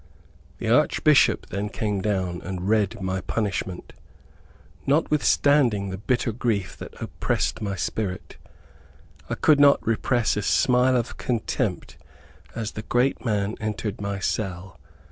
The Archbishop then came down and read my punishment. Notwithstanding the bitter grief that oppressed my spirit, I could not repress a smile of contempt as the great man entered my cell.